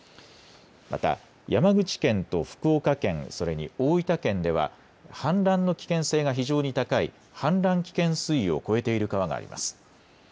また山口県と福岡県、それに大分県では氾濫の危険性が非常に高い氾濫危険水位を超えている川があります。